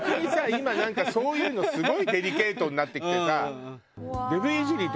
今なんかそういうのすごいデリケートになってきてさ。